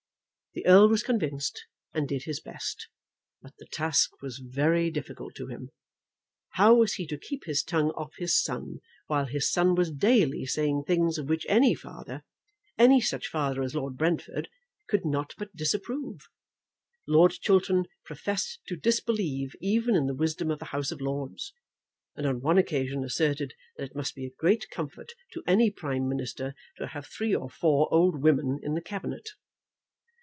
The Earl was convinced, and did his best. But the task was very difficult to him. How was he to keep his tongue off his son while his son was daily saying things of which any father, any such father as Lord Brentford, could not but disapprove? Lord Chiltern professed to disbelieve even in the wisdom of the House of Lords, and on one occasion asserted that it must be a great comfort to any Prime Minister to have three or four old women in the Cabinet.